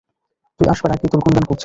তুই আসবার আগেই তোর গুণগান করছিল।